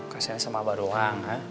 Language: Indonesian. kasiannya sama abah doang ha